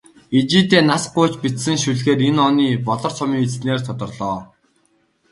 Ижийдээ нас гуйж бичсэн шүлгээр энэ оны "Болор цом"-ын эзнээр тодорлоо.